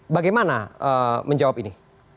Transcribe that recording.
bagaimana menjawab ini